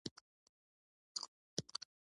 هره ورځ یو نوی مهارت زده کړه.